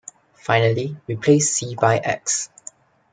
Finally, replace "c" by "x".